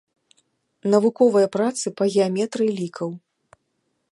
Навуковыя працы па геаметрыі лікаў.